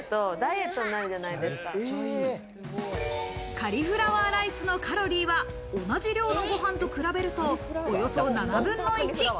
カリフラワーライスのカロリーは、同じ量のご飯と比べると、およそ７分の１。